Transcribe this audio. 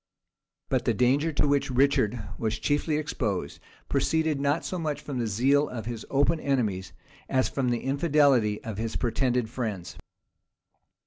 But the danger to which Richard was chiefly exposed, proceeded not so much from the zeal of his open enemies, as from the infidelity of his pretended friends.